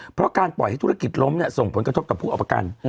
เพราะการปล่อยให้ธุรกิจล้มส่งผลกระทบกับผู้เอาประกัน